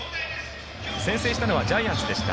先制したのはジャイアンツでした。